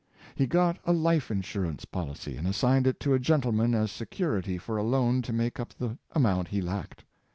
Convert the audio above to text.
He got a life insurance policy, and assigned it to a gentleman as se curity for a loan to make up the amount he lacked.